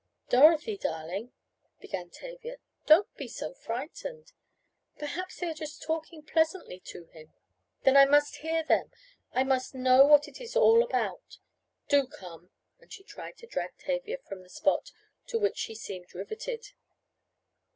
"Dorothy, darling," began Tavia, "don't be so frightened. Perhaps they are just talking pleasantly to him " "Then I must hear them. I must know what it is all about. Do come!" and she tried to drag Tavia from the spot to which she seemed riveted.